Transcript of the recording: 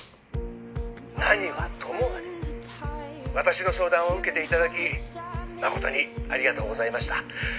何はともあれ私の相談を受けていただき誠にありがとうございました。